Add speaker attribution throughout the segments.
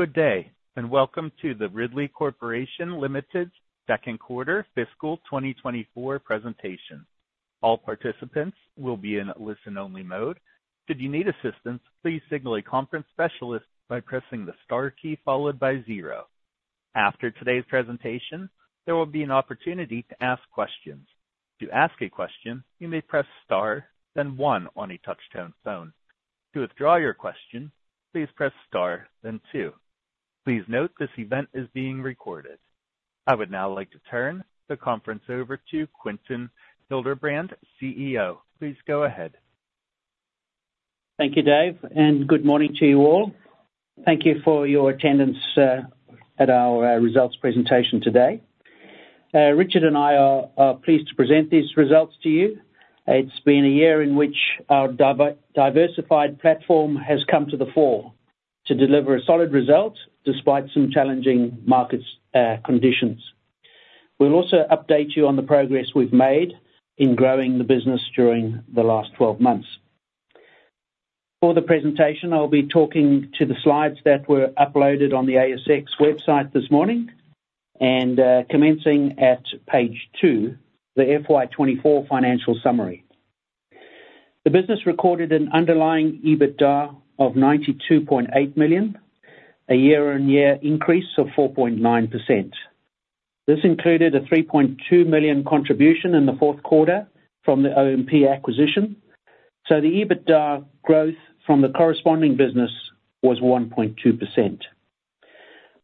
Speaker 1: Good day, and welcome to the Ridley Corporation Limited second quarter fiscal 2024 presentation. All participants will be in listen-only mode. Should you need assistance, please signal a conference specialist by pressing the star key followed by zero. After today's presentation, there will be an opportunity to ask questions. To ask a question, you may press star, then one on a touchtone phone. To withdraw your question, please press star then two. Please note, this event is being recorded. I would now like to turn the conference over to Quinton Hildebrand, CEO. Please go ahead.
Speaker 2: Thank you, Dave, and good morning to you all. Thank you for your attendance at our results presentation today. Richard and I are pleased to present these results to you. It's been a year in which our diversified platform has come to the fore to deliver a solid result, despite some challenging market conditions. We'll also update you on the progress we've made in growing the business during the last twelve months. For the presentation, I'll be talking to the slides that were uploaded on the ASX website this morning, and commencing at page two, the FY 2024 financial summary. The business recorded an underlying EBITDA of 92.8 million, a year-on-year increase of 4.9%. This included a 3.2 million contribution in the fourth quarter from the OMP acquisition, so the EBITDA growth from the corresponding business was 1.2%.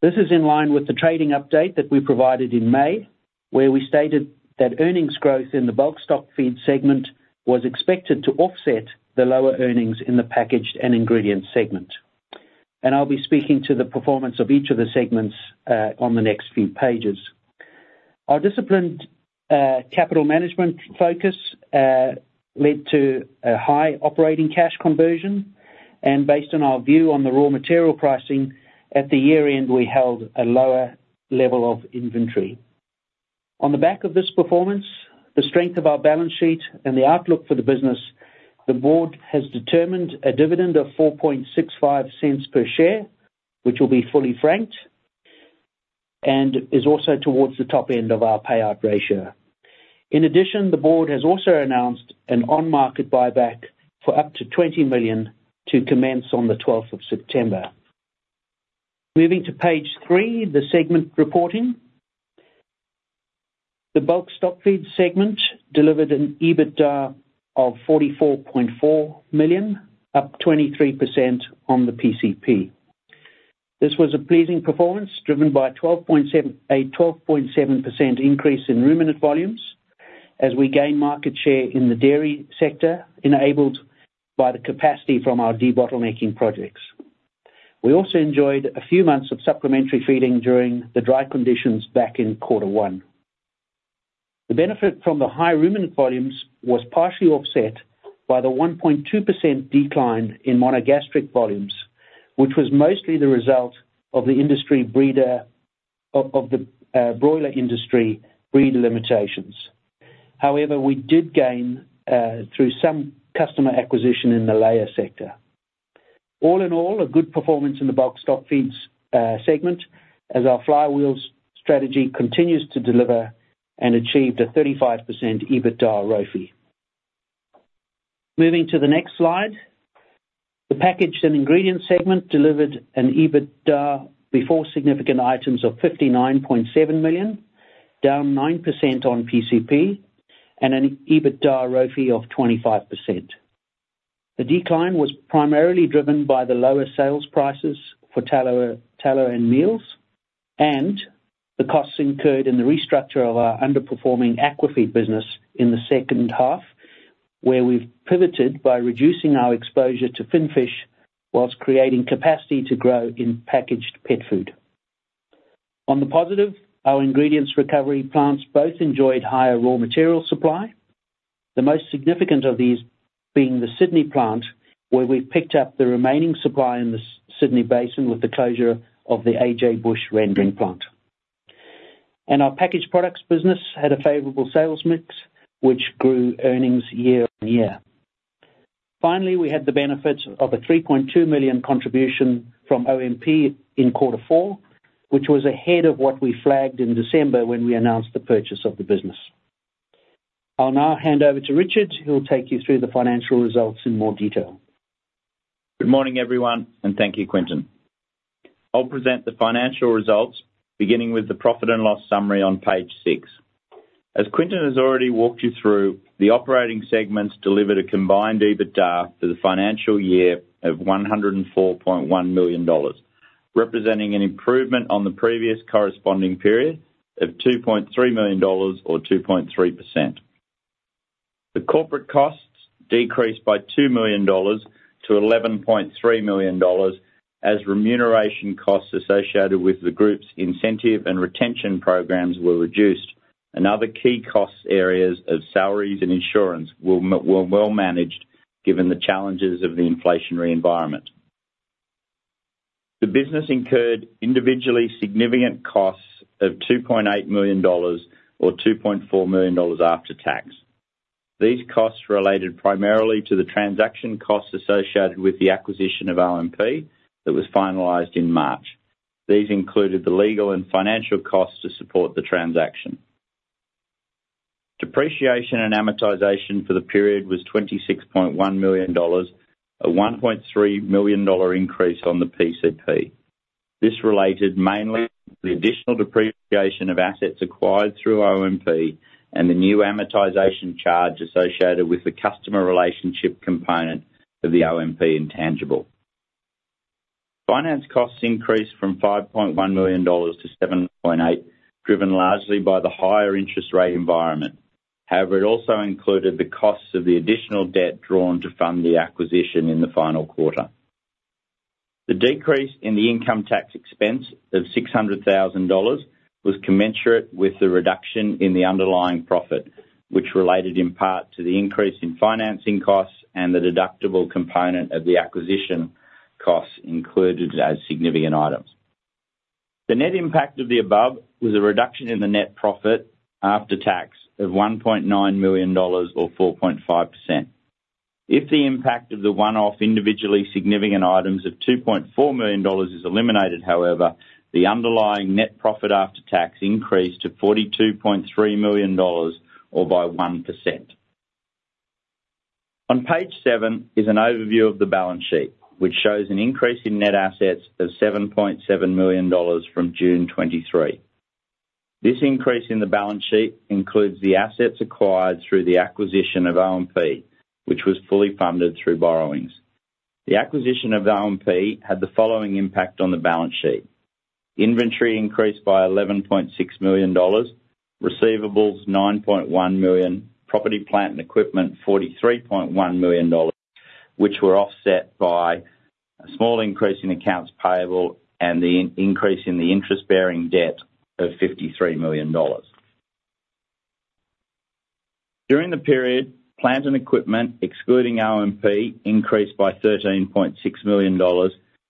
Speaker 2: This is in line with the trading update that we provided in May, where we stated that earnings growth in the bulk stock feed segment was expected to offset the lower earnings in the packaged and ingredient segment, and I'll be speaking to the performance of each of the segments on the next few pages. Our disciplined capital management focus led to a high operating cash conversion, and based on our view on the raw material pricing, at the year-end, we held a lower level of inventory. On the back of this performance, the strength of our balance sheet and the outlook for the business, the board has determined a dividend of 0.0465 per share, which will be fully franked and is also towards the top end of our payout ratio. In addition, the board has also announced an on-market buyback for up to 20 million to commence on the 12th of September. Moving to page three, the segment reporting. The bulk stock feed segment delivered an EBITDA of 44.4 million, up 23% on the PCP. This was a pleasing performance, driven by a 12.7% increase in ruminant volumes as we gain market share in the dairy sector, enabled by the capacity from our debottlenecking projects. We also enjoyed a few months of supplementary feeding during the dry conditions back in quarter one. The benefit from the high ruminant volumes was partially offset by the 1.2% decline in monogastric volumes, which was mostly the result of the broiler industry breeder limitations. However, we did gain through some customer acquisition in the layer sector. All in all, a good performance in the bulk stock feeds segment, as our flywheel strategy continues to deliver and achieved a 35% EBITDA ROFE. Moving to the next slide. The packaged and ingredient segment delivered an EBITDA before significant items of 59.7 million, down 9% on PCP, and an EBITDA ROFE of 25%. The decline was primarily driven by the lower sales prices for tallow, tallow and meals, and the costs incurred in the restructure of our underperforming aquafeed business in the second half, where we've pivoted by reducing our exposure to finfish while creating capacity to grow in packaged pet food. On the positive, our ingredients recovery plants both enjoyed higher raw material supply. The most significant of these being the Sydney plant, where we've picked up the remaining supply in the Sydney basin with the closure of the A.J. Bush rendering plant, and our packaged products business had a favorable sales mix, which grew earnings year on year. Finally, we had the benefits of an 3.2 million contribution from OMP in quarter four, which was ahead of what we flagged in December when we announced the purchase of the business. I'll now hand over to Richard, who will take you through the financial results in more detail.
Speaker 3: Good morning, everyone, and thank you, Quinton. I'll present the financial results, beginning with the profit and loss summary on page six. As Quinton has already walked you through, the operating segments delivered a combined EBITDA for the financial year of 104.1 million dollars, representing an improvement on the previous corresponding period of 2.3 million dollars or 2.3%. The corporate costs decreased by 2 million dollars to 11.3 million dollars as remuneration costs associated with the group's incentive and retention programs were reduced, and other key cost areas of salaries and insurance were well managed, given the challenges of the inflationary environment. The business incurred individually significant costs of 2.8 million dollars or 2.4 million dollars after tax. These costs related primarily to the transaction costs associated with the acquisition of OMP that was finalized in March. These included the legal and financial costs to support the transaction. Depreciation and amortization for the period was 26.1 million dollars, a 1.3 million dollar increase on the PCP. This related mainly to the additional depreciation of assets acquired through OMP and the new amortization charge associated with the customer relationship component of the OMP intangible. Finance costs increased from 5.1 million dollars to 7.8 million, driven largely by the higher interest rate environment. However, it also included the costs of the additional debt drawn to fund the acquisition in the final quarter. The decrease in the income tax expense of 600,000 dollars was commensurate with the reduction in the underlying profit, which related in part to the increase in financing costs and the deductible component of the acquisition costs included as significant items. The net impact of the above was a reduction in the net profit after tax of 1.9 million dollars, or 4.5%. If the impact of the one-off individually significant items of 2.4 million dollars is eliminated, however, the underlying net profit after tax increased to 42.3 million dollars or by 1%. On page seven is an overview of the balance sheet, which shows an increase in net assets of 7.7 million dollars from June 2023. This increase in the balance sheet includes the assets acquired through the acquisition of OMP, which was fully funded through borrowings. The acquisition of OMP had the following impact on the balance sheet: inventory increased by 11.6 million dollars, receivables, 9.1 million, property, plant, and equipment, 43.1 million dollars, which were offset by a small increase in accounts payable and the increase in the interest-bearing debt of 53 million dollars. During the period, plant and equipment, excluding OMP, increased by AUD 13.6 million,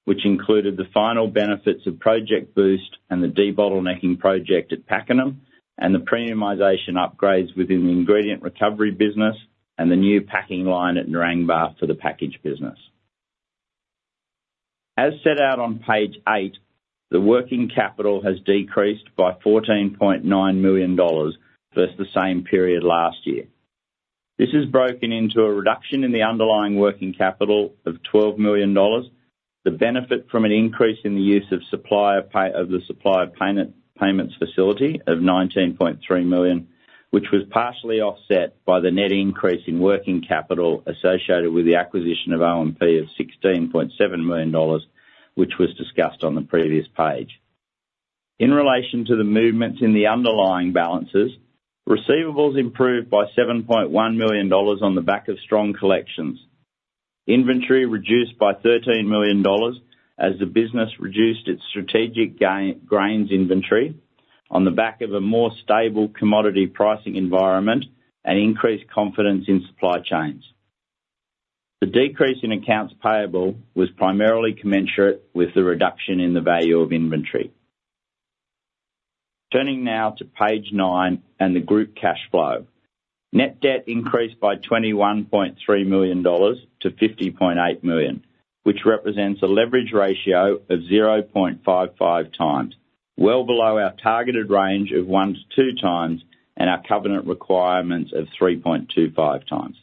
Speaker 3: which included the final benefits of Project Boost and the debottlenecking project at Pakenham, and the premiumization upgrades within the ingredient recovery business, and the new packing line at Narangba for the package business. As set out on page eight, the working capital has decreased by 14.9 million dollars versus the same period last year. This is broken into a reduction in the underlying working capital of 12 million dollars, the benefit from an increase in the use of the supplier payments facility of 19.3 million, which was partially offset by the net increase in working capital associated with the acquisition of OMP of 16.7 million dollars, which was discussed on the previous page. In relation to the movements in the underlying balances, receivables improved by 7.1 million dollars on the back of strong collections. Inventory reduced by 13 million dollars as the business reduced its strategic grains inventory on the back of a more stable commodity pricing environment and increased confidence in supply chains. The decrease in accounts payable was primarily commensurate with the reduction in the value of inventory. Turning now to page nine and the group cash flow. Net debt increased by 21.3 million dollars to 50.8 million, which represents a leverage ratio of 0.55 times, well below our targeted range of 1x-2x and our covenant requirements of 3.25x.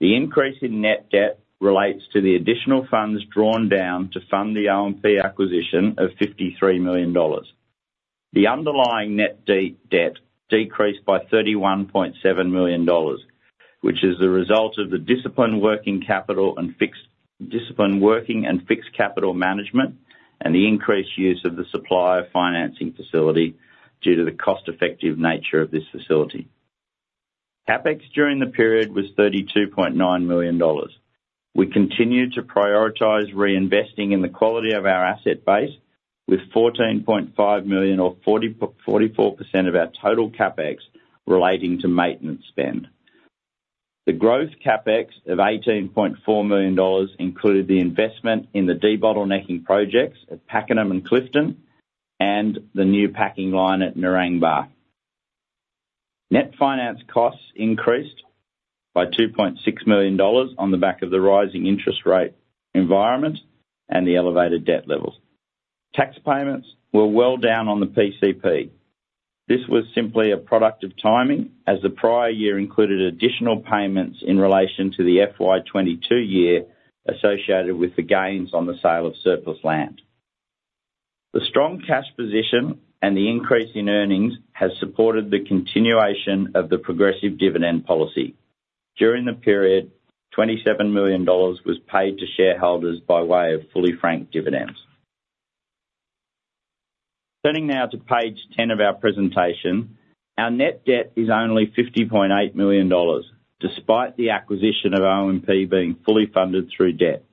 Speaker 3: The increase in net debt relates to the additional funds drawn down to fund the OMP acquisition of 53 million dollars. The underlying net debt decreased by 31.7 million dollars, which is the result of the disciplined working capital and fixed capital management, and the increased use of the supplier financing facility due to the cost-effective nature of this facility. CapEx during the period was 32.9 million dollars. We continue to prioritize reinvesting in the quality of our asset base, with 14.5 million, or 44.4% of our total CapEx, relating to maintenance spend. The growth CapEx of 18.4 million dollars included the investment in the debottlenecking projects at Pakenham and Clifton and the new packing line at Narangba. Net finance costs increased by 2.6 million dollars on the back of the rising interest rate environment and the elevated debt levels. Tax payments were well down on the PCP. This was simply a product of timing, as the prior year included additional payments in relation to the FY 2022 year associated with the gains on the sale of surplus land. The strong cash position and the increase in earnings has supported the continuation of the progressive dividend policy. During the period, 27 million dollars was paid to shareholders by way of fully franked dividends. Turning now to page 10 of our presentation. Our net debt is only 50.8 million dollars, despite the acquisition of OMP being fully funded through debt.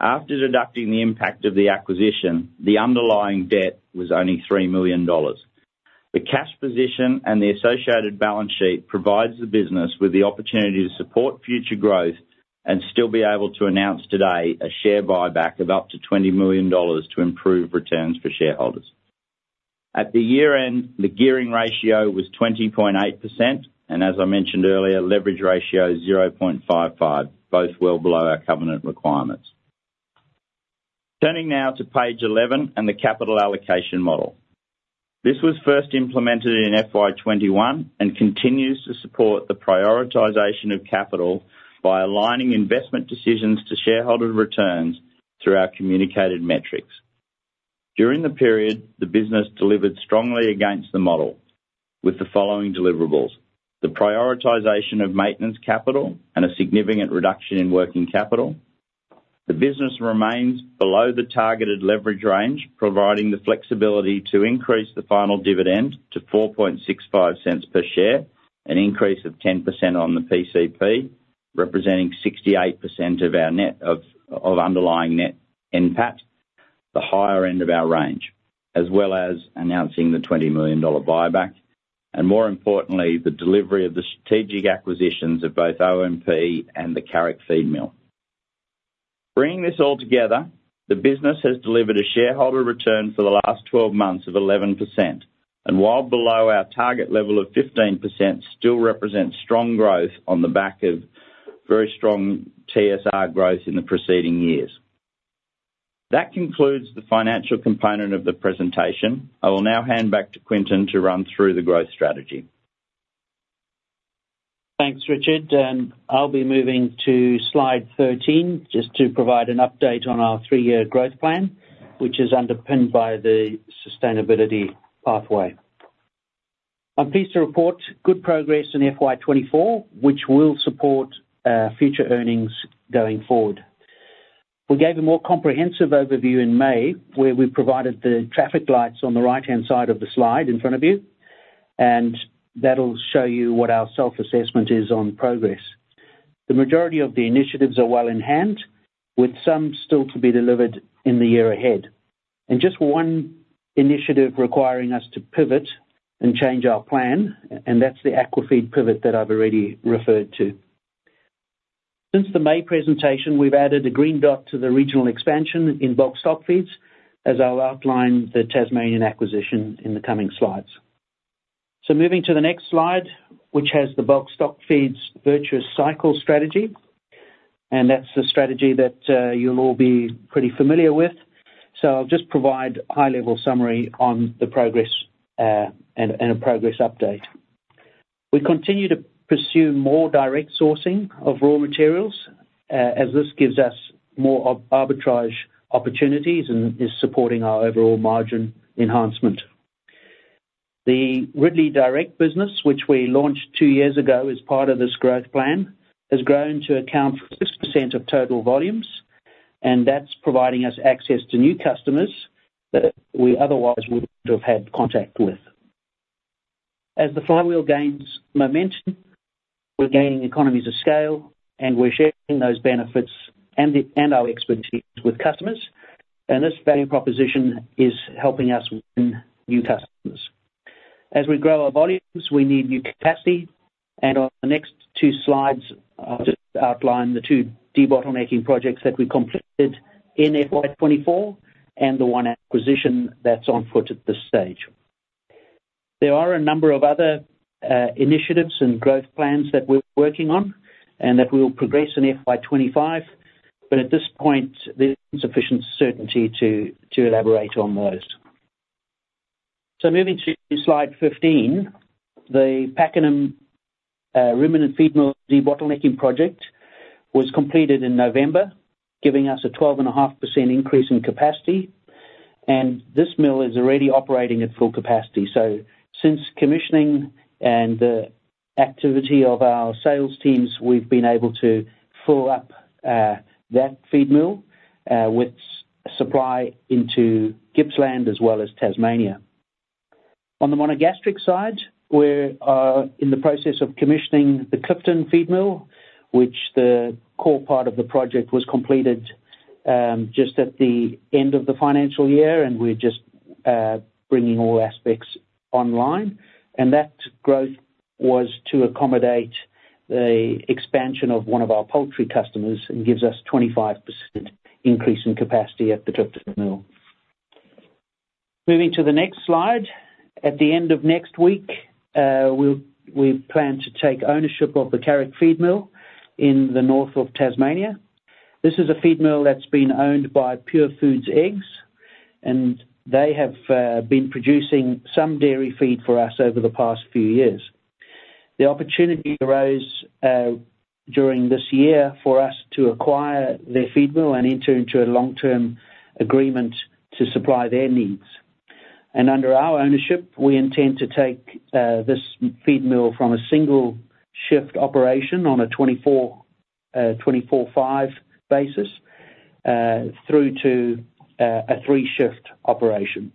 Speaker 3: After deducting the impact of the acquisition, the underlying debt was only 3 million dollars. The cash position and the associated balance sheet provides the business with the opportunity to support future growth and still be able to announce today a share buyback of up to 20 million dollars to improve returns for shareholders. At the year-end, the gearing ratio was 20.8%, and as I mentioned earlier, leverage ratio is 0.55, both well below our covenant requirements. Turning now to page 11 and the capital allocation model. This was first implemented in FY 2021 and continues to support the prioritization of capital by aligning investment decisions to shareholder returns through our communicated metrics. During the period, the business delivered strongly against the model with the following deliverables: the prioritization of maintenance capital and a significant reduction in working capital. The business remains below the targeted leverage range, providing the flexibility to increase the final dividend to 4.65 per share, an increase of 10% on the PCP, representing 68% of our net of underlying net NPAT, the higher end of our range, as well as announcing the 20 million dollar buyback, and more importantly, the delivery of the strategic acquisitions of both OMP and the Carrick Feedmill. Bringing this all together, the business has delivered a shareholder return for the last twelve months of 11%, and while below our target level of 15%, still represents strong growth on the back of very strong TSR growth in the preceding years. That concludes the financial component of the presentation. I will now hand back to Quinton to run through the growth strategy.
Speaker 2: Thanks, Richard, and I'll be moving to slide 13, just to provide an update on our three-year growth plan, which is underpinned by the sustainability pathway. I'm pleased to report good progress in FY 2024, which will support future earnings going forward. We gave a more comprehensive overview in May, where we provided the traffic lights on the right-hand side of the slide in front of you, and that'll show you what our self-assessment is on progress. The majority of the initiatives are well in hand, with some still to be delivered in the year ahead. And just one initiative requiring us to pivot and change our plan, and that's the aqua feed pivot that I've already referred to. Since the May presentation, we've added a green dot to the regional expansion in bulk stock feeds, as I'll outline the Tasmanian acquisition in the coming slides. So moving to the next slide, which has the bulk stock feeds virtuous cycle strategy, and that's the strategy that you'll all be pretty familiar with. So I'll just provide high-level summary on the progress, and a progress update. We continue to pursue more direct sourcing of raw materials, as this gives us more arbitrage opportunities and is supporting our overall margin enhancement. The Ridley DIRECT business, which we launched two years ago as part of this growth plan, has grown to account for 6% of total volumes, and that's providing us access to new customers that we otherwise wouldn't have had contact with. As the flywheel gains momentum, we're gaining economies of scale, and we're sharing those benefits and our expertise with customers, and this value proposition is helping us win new customers. As we grow our volumes, we need new capacity, and on the next two slides, I'll just outline the two debottlenecking projects that we completed in FY 2024 and the one acquisition that's on foot at this stage. There are a number of other initiatives and growth plans that we're working on and that we'll progress in FY 2025, but at this point, there's insufficient certainty to elaborate on those. So moving to Slide 15, the Pakenham Ruminant Feedmill debottlenecking project was completed in November, giving us a 12.5% increase in capacity, and this mill is already operating at full capacity. So since commissioning and the activity of our sales teams, we've been able to fill up that Feedmill with supply into Gippsland as well as Tasmania. On the monogastric side, we're in the process of commissioning the Clifton Feedmill, which the core part of the project was completed just at the end of the financial year, and we're just bringing all aspects online. And that growth was to accommodate the expansion of one of our poultry customers and gives us 25% increase in capacity at the Clifton mill. Moving to the next slide. At the end of next week, we plan to take ownership of the Carrick Feedmill in the north of Tasmania. This is a Feedmill that's been owned by Pure Foods Eggs, and they have been producing some dairy feed for us over the past few years. The opportunity arose during this year for us to acquire their Feedmill and enter into a long-term agreement to supply their needs. Under our ownership, we intend to take this Feedmill from a single shift operation on a twenty-four/five basis through to a three-shift operation.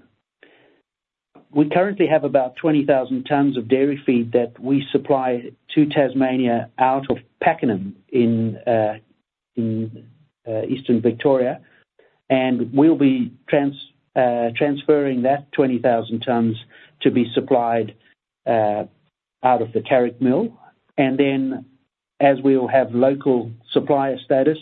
Speaker 2: We currently have about 20,000 tons of dairy feed that we supply to Tasmania out of Pakenham in eastern Victoria, and we'll be transferring that 20,000 tons to be supplied out of the Carrick mill, and as we will have local supplier status,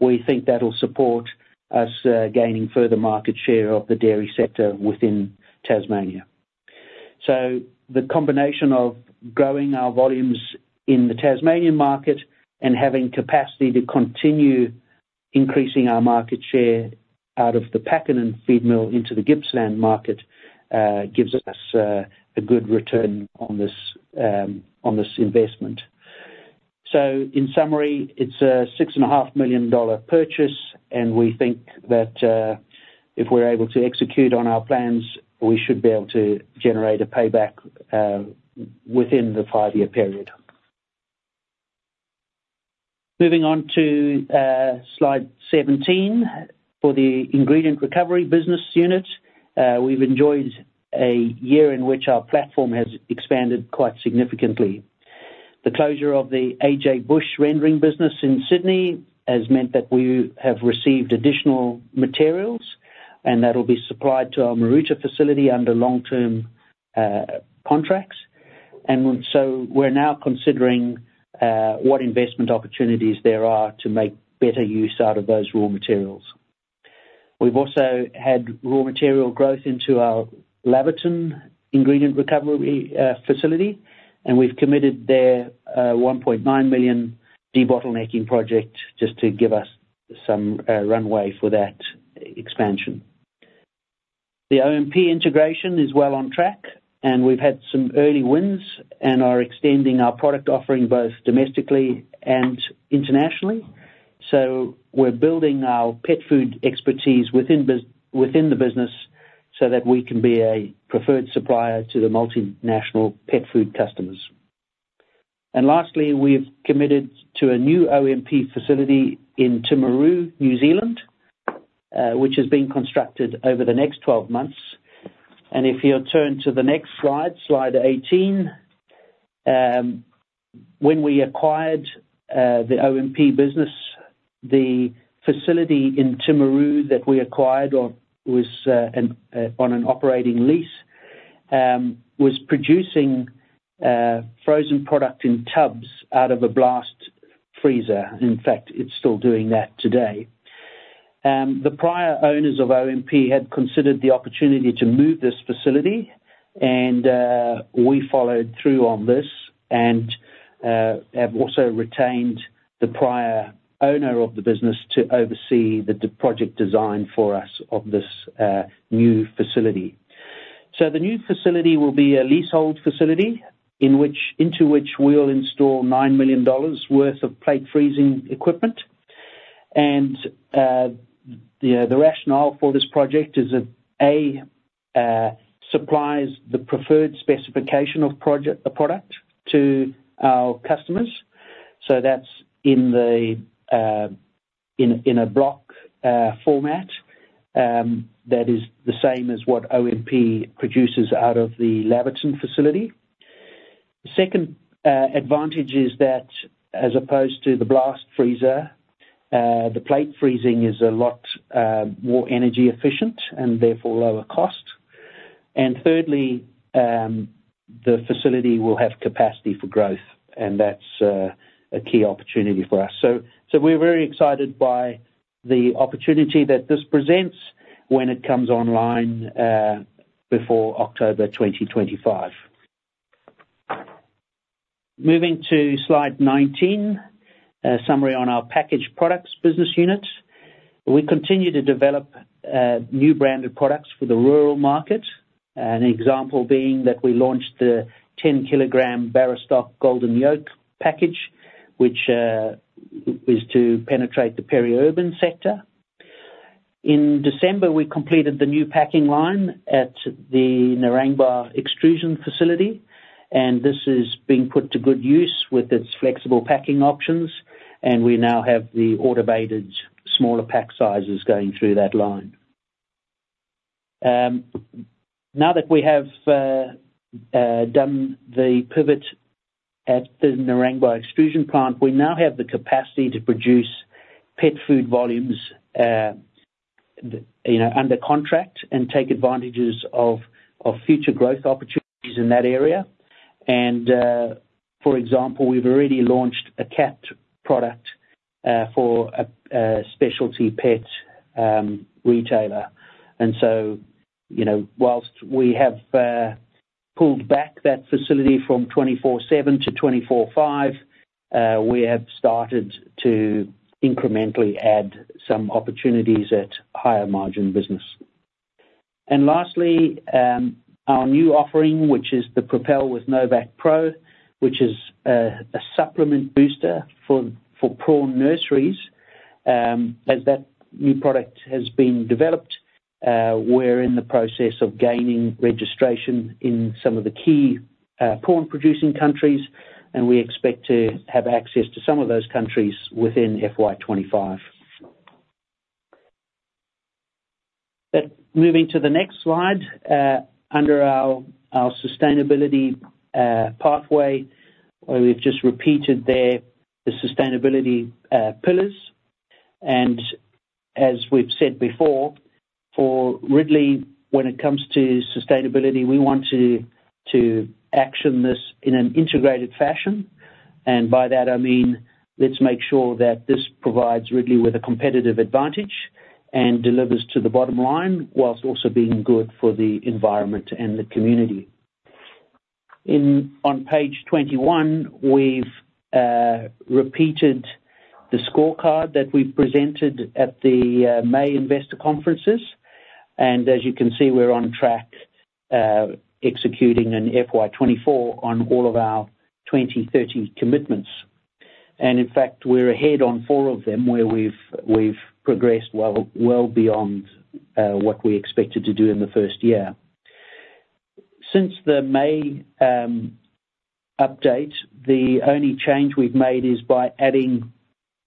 Speaker 2: we think that'll support us gaining further market share of the dairy sector within Tasmania. The combination of growing our volumes in the Tasmanian market and having capacity to continue increasing our market share out of the Pakenham Feedmill into the Gippsland market gives us a good return on this investment. So in summary, it's a 6.5 million dollar purchase, and we think that if we're able to execute on our plans, we should be able to generate a payback within the five-year period. Moving on to slide 17, for the ingredient recovery business unit, we've enjoyed a year in which our platform has expanded quite significantly. The closure of the A.J. Bush rendering business in Sydney has meant that we have received additional materials, and that'll be supplied to our Maroota facility under long-term contracts. And so we're now considering what investment opportunities there are to make better use out of those raw materials. We've also had raw material growth into our Laverton Ingredient Recovery facility, and we've committed there a 1.9 million debottlenecking project just to give us some runway for that expansion. The OMP integration is well on track, and we've had some early wins, and are extending our product offering both domestically and internationally. So we're building our pet food expertise within the business so that we can be a preferred supplier to the multinational pet food customers. And lastly, we've committed to a new OMP facility in Timaru, New Zealand, which is being constructed over the next 12 months. And if you'll turn to the next slide, slide 18, when we acquired the OMP business, the facility in Timaru that we acquired was on an operating lease, was producing frozen product in tubs out of a blast freezer. In fact, it's still doing that today. The prior owners of OMP had considered the opportunity to move this facility, and we followed through on this, and have also retained the prior owner of the business to oversee the project design for us of this new facility. So the new facility will be a leasehold facility, into which we'll install 9 million dollars worth of plate freezing equipment. The rationale for this project is that, A, supplies the preferred specification of a product to our customers, so that's in a block format that is the same as what OMP produces out of the Laverton facility. The second advantage is that as opposed to the blast freezer, the plate freezing is a lot more energy efficient and therefore lower cost. And thirdly, the facility will have capacity for growth, and that's a key opportunity for us. So, we're very excited by the opportunity that this presents when it comes online before October 2025. Moving to slide 19, a summary on our packaged products business unit. We continue to develop new branded products for the rural market. An example being that we launched the 10 kg Barastoc Golden Yolk package, which is to penetrate the peri-urban sector. In December, we completed the new packing line at the Narangba extrusion facility, and this is being put to good use with its flexible packing options, and we now have the automated smaller pack sizes going through that line. Now that we have done the pivot at the Narangba extrusion plant, we now have the capacity to produce pet food volumes, you know, under contract and take advantages of future growth opportunities in that area. For example, we've already launched a cat product for a specialty pet retailer. So, you know, while we have pulled back that facility from 24/7 to 24/5, we have started to incrementally add some opportunities at higher margin business. Lastly, our new offering, which is the Propel with Novacq, which is a supplement booster for prawn nurseries. As that new product has been developed, we're in the process of gaining registration in some of the key prawn-producing countries, and we expect to have access to some of those countries within FY 2025. But moving to the next slide, under our sustainability pathway, where we've just repeated there, the sustainability pillars. And as we've said before, for Ridley, when it comes to sustainability, we want to action this in an integrated fashion. And by that, I mean, let's make sure that this provides Ridley with a competitive advantage and delivers to the bottom line, while also being good for the environment and the community. On page 21, we've repeated the scorecard that we've presented at the May investor conferences, and as you can see, we're on track executing in FY 2024 on all of our 2030 commitments. And in fact, we're ahead on four of them, where we've progressed well beyond what we expected to do in the first year. Since the May update, the only change we've made is by adding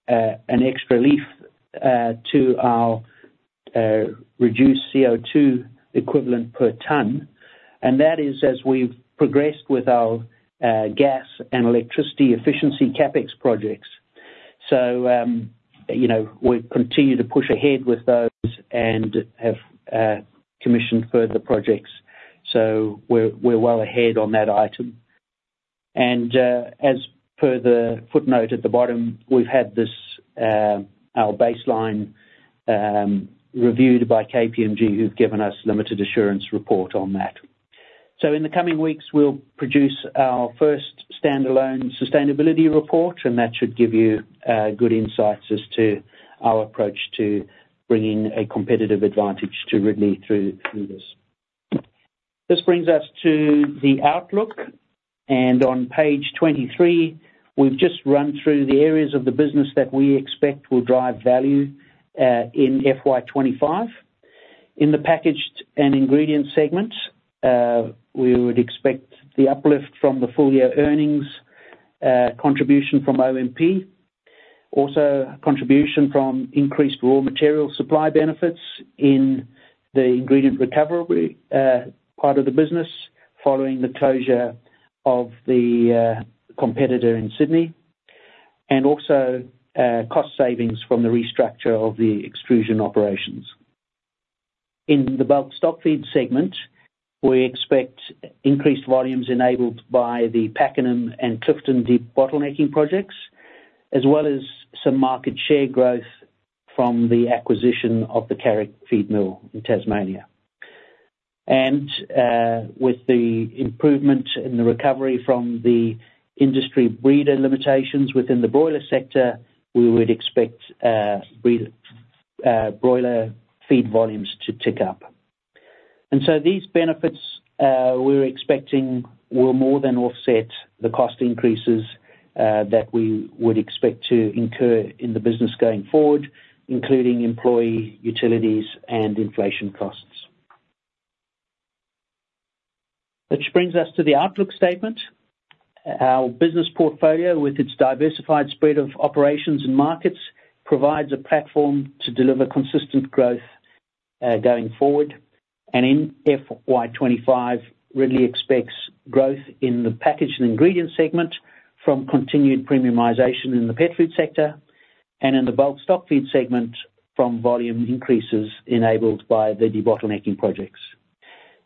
Speaker 2: an extra leaf to our reduced CO2 equivalent per ton, and that is as we've progressed with our gas and electricity efficiency CapEx projects, so you know, we've continued to push ahead with those and have commissioned further projects, so we're well ahead on that item, and as per the footnote at the bottom, we've had this our baseline reviewed by KPMG, who've given us limited assurance report on that, so in the coming weeks, we'll produce our first standalone sustainability report, and that should give you good insights as to our approach to bringing a competitive advantage to Ridley through this. This brings us to the outlook, and on page 2023, we've just run through the areas of the business that we expect will drive value in FY 2025. In the packaged and ingredient segment, we would expect the uplift from the full-year earnings contribution from OMP, also contribution from increased raw material supply benefits in the ingredient recovery part of the business, following the closure of the competitor in Sydney, and also cost savings from the restructure of the extrusion operations. In the bulk stock feed segment, we expect increased volumes enabled by the Pakenham and Clifton debottlenecking projects, as well as some market share growth from the acquisition of the Carrick Feedmill in Tasmania. With the improvement in the recovery from the industry breeder limitations within the broiler sector, we would expect broiler feed volumes to tick up. These benefits we're expecting will more than offset the cost increases that we would expect to incur in the business going forward, including employee utilities and inflation costs. Which brings us to the outlook statement. Our business portfolio, with its diversified spread of operations and markets, provides a platform to deliver consistent growth going forward. In FY 2025, Ridley expects growth in the packaged and ingredient segment from continued premiumization in the pet food sector, and in the bulk stock feed segment from volume increases enabled by the debottlenecking projects.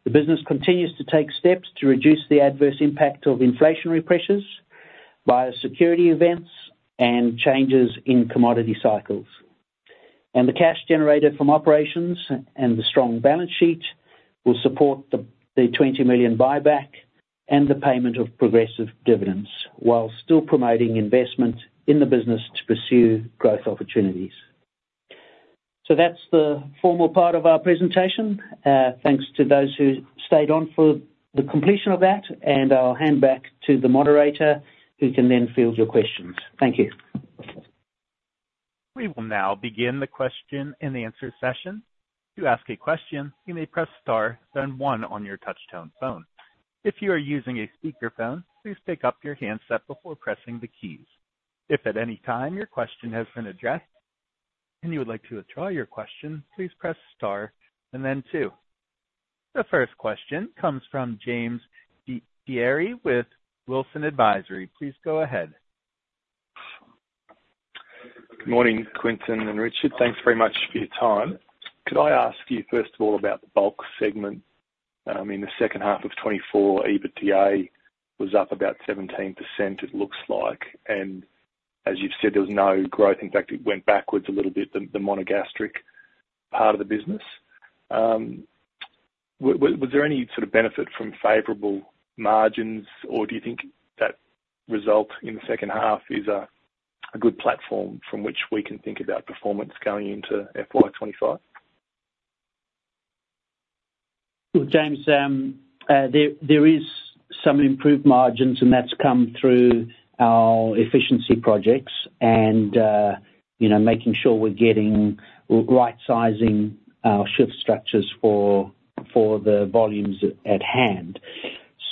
Speaker 2: The business continues to take steps to reduce the adverse impact of inflationary pressures by securing inputs and changes in commodity cycles. And the cash generated from operations and the strong balance sheet will support the 20 million buyback and the payment of progressive dividends, while still promoting investment in the business to pursue growth opportunities. So that's the formal part of our presentation. Thanks to those who stayed on for the completion of that, and I'll hand back to the moderator, who can then field your questions. Thank you.
Speaker 1: We will now begin the question and answer session. To ask a question, you may press star, then one on your touchtone phone. If you are using a speakerphone, please pick up your handset before pressing the keys. If at any time your question has been addressed and you would like to withdraw your question, please press star and then two. The first question comes from James Ferrier with Wilsons Advisory. Please go ahead.
Speaker 4: Good morning, Quinton and Richard. Thanks very much for your time. Could I ask you, first of all, about the bulk segment? In the second half of 2024, EBITDA was up about 17%, it looks like, and as you've said, there was no growth. In fact, it went backwards a little bit, the monogastric part of the business. Was there any sort of benefit from favorable margins, or do you think that result in the second half is a good platform from which we can think about performance going into FY 2025?
Speaker 2: James, there is some improved margins, and that's come through our efficiency projects and, you know, making sure we're getting, we're right-sizing our shift structures for the volumes at hand.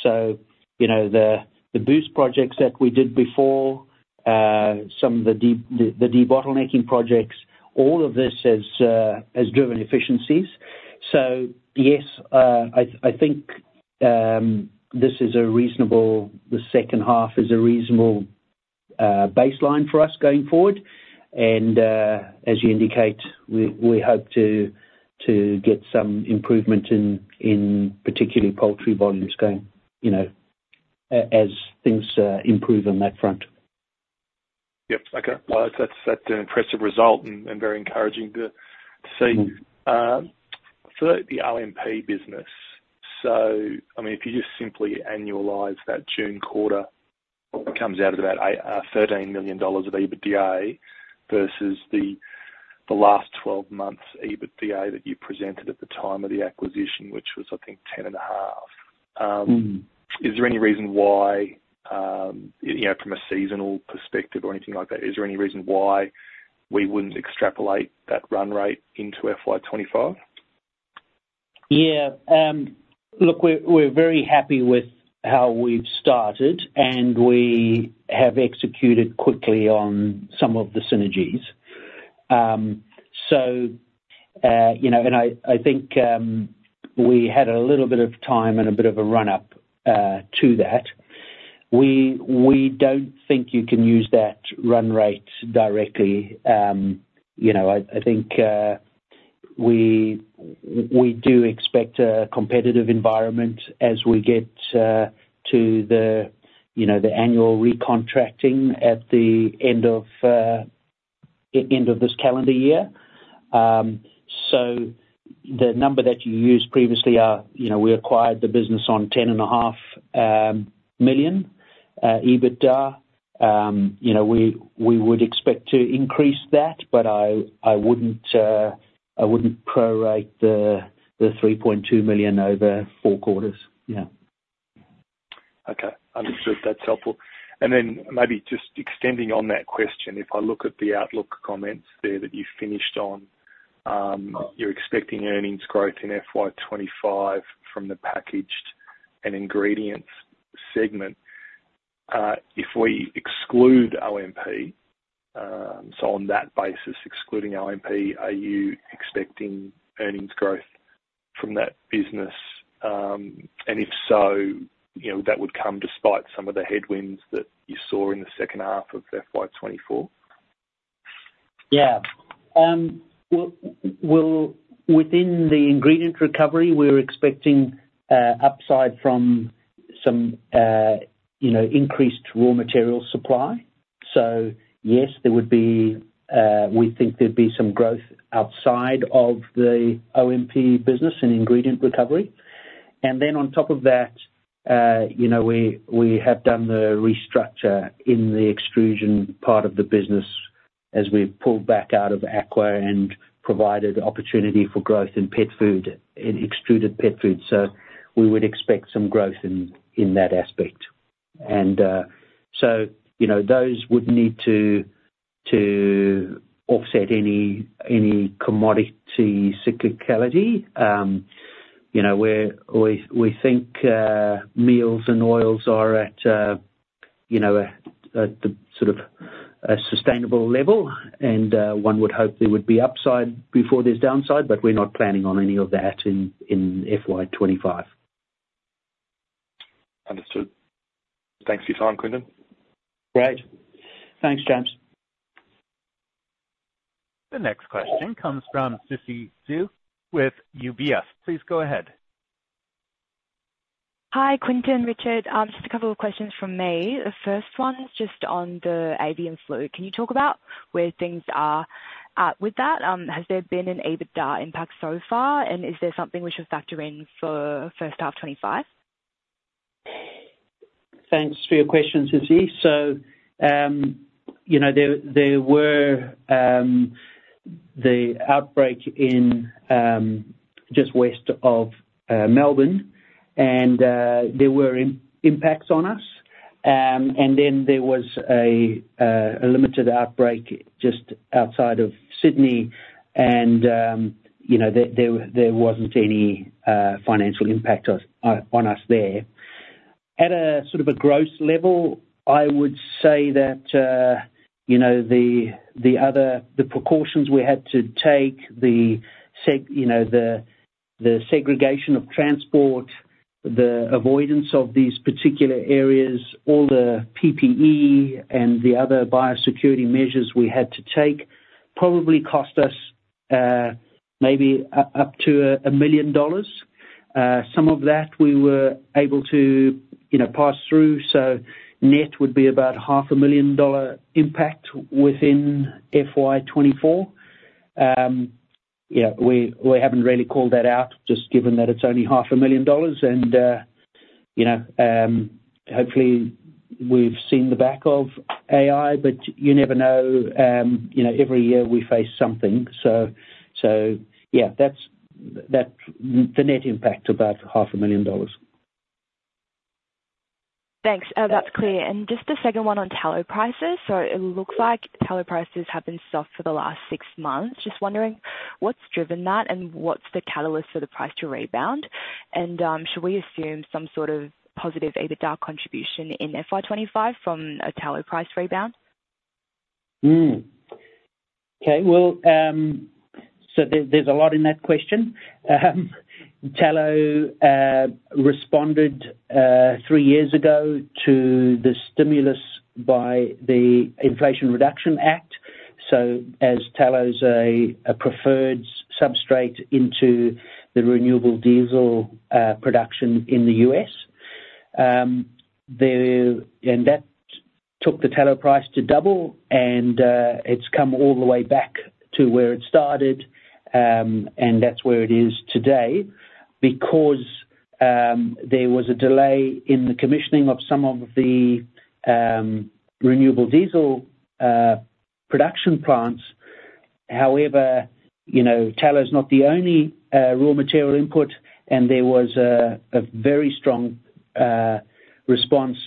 Speaker 2: So, you know, the boost projects that we did before, some of the debottlenecking projects, all of this has driven efficiencies. So yes, I think this is a reasonable, the second half is a reasonable baseline for us going forward. And, as you indicate, we hope to get some improvement in particularly poultry volumes going, you know, as things improve on that front.
Speaker 4: Yep. Okay. Well, that's an impressive result and very encouraging to see. For the OMP business, so I mean, if you just simply annualize that June quarter, it comes out at about 13 million dollars of EBITDA versus the last twelve months EBITDA that you presented at the time of the acquisition, which was, I think, 10.5 million. Is there any reason why, you know, from a seasonal perspective or anything like that, is there any reason why we wouldn't extrapolate that run rate into FY 2025?
Speaker 2: Yeah. Look, we're very happy with how we've started, and we have executed quickly on some of the synergies. So, you know, and I think we had a little bit of time and a bit of a run up to that. We don't think you can use that run rate directly. You know, I think we do expect a competitive environment as we get to the annual recontracting at the end of this calendar year. So the number that you used previously, you know, we acquired the business on 10.5 million EBITDA. You know, we would expect to increase that, but I wouldn't prorate the 3.2 million over four quarters. Yeah.
Speaker 4: Okay. Understood. That's helpful. And then maybe just extending on that question, if I look at the outlook comments there that you finished on, you're expecting earnings growth in FY 2025 from the packaged and ingredients segment. If we exclude OMP, so on that basis, excluding OMP, are you expecting earnings growth from that business? And if so, you know, that would come despite some of the headwinds that you saw in the second half of FY 2024?
Speaker 2: Yeah. Well, within the ingredient recovery, we're expecting upside from some you know increased raw material supply. So yes, there would be we think there'd be some growth outside of the OMP business and ingredient recovery. And then on top of that you know we have done the restructure in the extrusion part of the business as we've pulled back out of Aqua and provided opportunity for growth in pet food, in extruded pet food. So we would expect some growth in that aspect. And so you know those would need to offset any commodity cyclicality. You know, we think meals and oils are at you know a sort of sustainable level, and one would hope there would be upside before there's downside, but we're not planning on any of that in FY 2025.
Speaker 4: Understood. Thanks for your time, Quinton.
Speaker 2: Great. Thanks, James.
Speaker 1: The next question comes from Susie Xu with UBS. Please go ahead.
Speaker 5: Hi, Quinton, Richard, just a couple of questions from me. The first one is just on the avian flu. Can you talk about where things are at with that? Has there been an EBITDA impact so far, and is there something we should factor in for first half 2025?
Speaker 2: Thanks for your question, Susie. So, you know, there were the outbreak in just west of Melbourne, and there were impacts on us. And then there was a limited outbreak just outside of Sydney, and you know, there wasn't any financial impact on us there. At a sort of a gross level, I would say that you know, the other precautions we had to take, the segregation of transport, the avoidance of these particular areas, all the PPE and the other biosecurity measures we had to take, probably cost us maybe up to 1 million dollars. Some of that we were able to you know, pass through, so net would be about 500,000 dollar impact within FY 2024. Yeah, we haven't really called that out, just given that it's only AUD 500,000 and, you know, every year we face something. So yeah, that's the net impact, about 500,000 dollars.
Speaker 5: Thanks. That's clear. And just the second one on tallow prices. So it looks like tallow prices have been soft for the last six months. Just wondering what's driven that, and what's the catalyst for the price to rebound? And should we assume some sort of positive EBITDA contribution in FY 2025 from a tallow price rebound?
Speaker 2: Okay, well, so there, there's a lot in that question. Tallow responded three years ago to the stimulus by the Inflation Reduction Act. So as tallow is a preferred substrate into the renewable diesel production in the U.S., and that took the tallow price to double, and it's come all the way back to where it started. And that's where it is today, because there was a delay in the commissioning of some of the renewable diesel production plants. However, you know, tallow is not the only raw material input, and there was a very strong response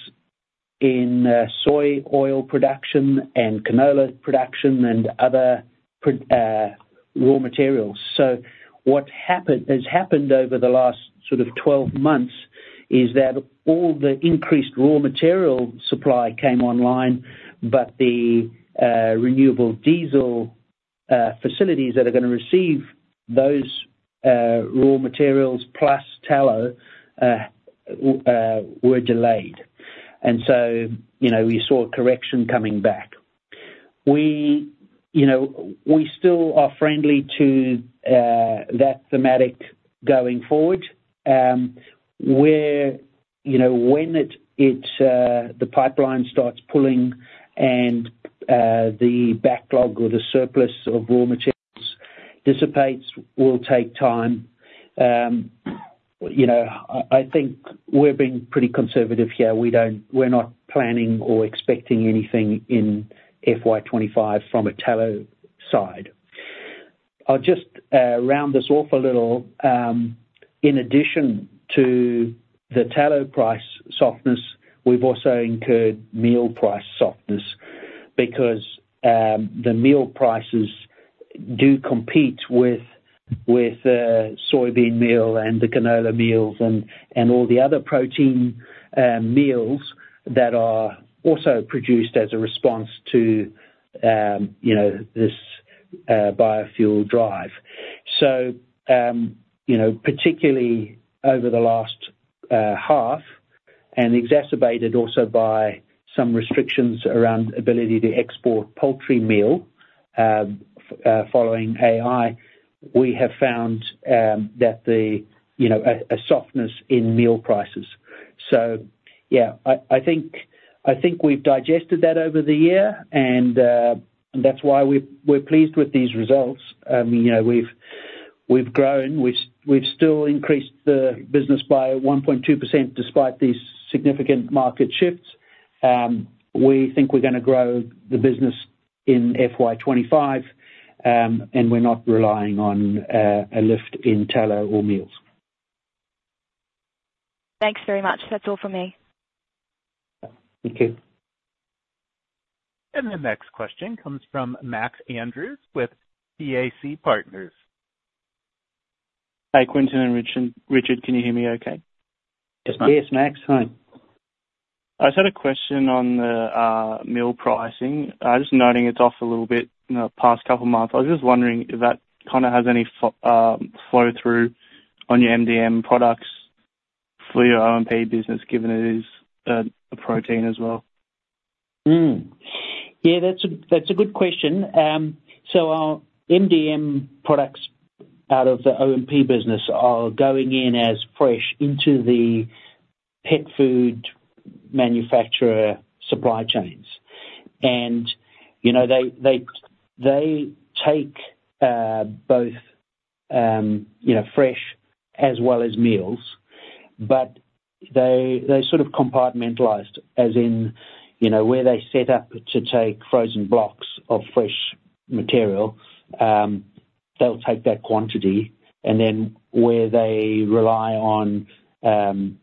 Speaker 2: in soy oil production and canola production and other raw materials. So what happened, has happened over the last sort of 12 months is that all the increased raw material supply came online, but the renewable diesel facilities that are gonna receive those raw materials plus tallow were delayed. And so, you know, we saw a correction coming back. We, you know, we still are friendly to that thematic going forward. You know, where you know, when the pipeline starts pulling and the backlog or the surplus of raw materials dissipates, will take time. You know, I think we're being pretty conservative here. We're not planning or expecting anything in FY 2025 from a tallow side. I'll just round this off a little. In addition to the tallow price softness, we've also incurred meal price softness because the meal prices do compete with soybean meal and the canola meals and all the other protein meals that are also produced as a response to you know this biofuel drive. So you know particularly over the last half and exacerbated also by some restrictions around ability to export poultry meal following AI we have found that you know a softness in meal prices. So yeah I think we've digested that over the year and that's why we're pleased with these results. You know we've grown we've still increased the business by 1.2% despite these significant market shifts. We think we're gonna grow the business in FY 2025, and we're not relying on a lift in tallow or meals.
Speaker 5: Thanks very much. That's all for me.
Speaker 2: Thank you.
Speaker 1: The next question comes from Max Andrews with PAC Partners.
Speaker 6: Hi, Quinton and Richard. Richard, can you hear me okay?
Speaker 3: Yes Max.
Speaker 2: Yes, Max, hi.
Speaker 6: I just had a question on the meal pricing. Just noting it's off a little bit in the past couple of months. I was just wondering if that kind of has any flow-through on your MDM products for your OMP business, given it is a protein as well?
Speaker 2: Hmm. Yeah, that's a good question. So our MDM products out of the OMP business are going in as fresh into the pet food manufacturer supply chains. And, you know, they take both, you know, fresh as well as meals, but they sort of compartmentalized as in, you know, where they're set up to take frozen blocks of fresh material, they'll take that quantity, and then where they rely on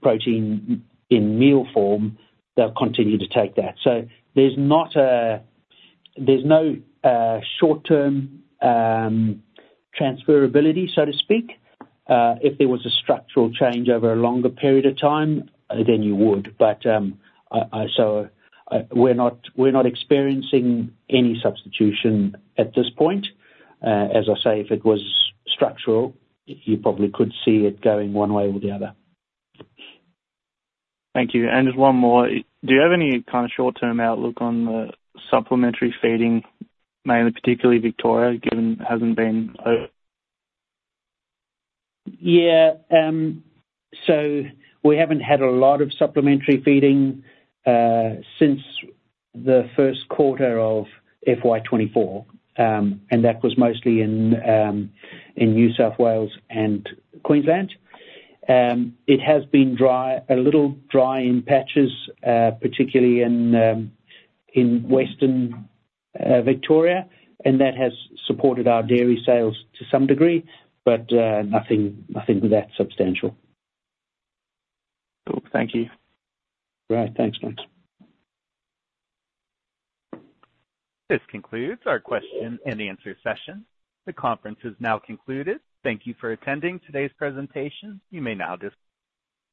Speaker 2: protein in meal form, they'll continue to take that. So there's not a. There's no short-term transferability, so to speak. If there was a structural change over a longer period of time, then you would. But, so, we're not experiencing any substitution at this point. As I say, if it was structural, you probably could see it going one way or the other.
Speaker 6: Thank you. And just one more. Do you have any kind of short-term outlook on the supplementary feeding, mainly particularly Victoria, given it hasn't been?
Speaker 2: Yeah. So we haven't had a lot of supplementary feeding since the first quarter of FY 2024, and that was mostly in New South Wales and Queensland. It has been dry, a little dry in patches, particularly in western Victoria, and that has supported our dairy sales to some degree, but nothing that's substantial.
Speaker 6: Cool. Thank you.
Speaker 2: Great. Thanks, Max.
Speaker 1: This concludes our question and answer session. The conference is now concluded. Thank you for attending today's presentation. You may now dis-